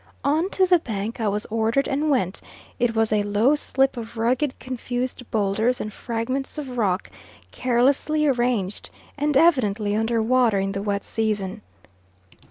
On to the bank I was ordered and went; it was a low slip of rugged confused boulders and fragments of rocks, carelessly arranged, and evidently under water in the wet season.